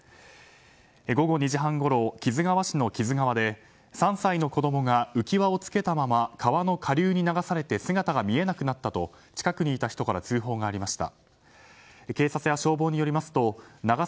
午後２時半ごろ木津川市の木津川で３歳の子供が浮き輪をつけたまま川の下流に流されて姿が見えなくなったと近くにいた人から通報がありました。